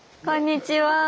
こんにちは。